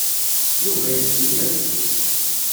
Yuba yettkellix.